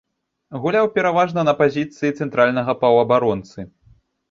Гуляў пераважна на пазіцыі цэнтральнага паўабаронцы.